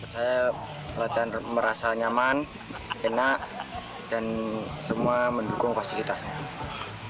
saya merasa nyaman enak dan semua mendukung fasilitasnya